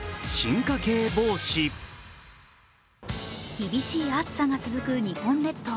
厳しい暑さが続く日本列島。